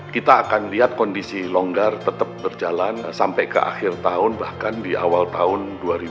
kita akan lihat kondisi longgar tetap berjalan sampai ke akhir tahun bahkan di awal tahun dua ribu dua puluh